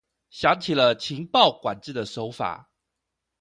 想起了情報管制的手法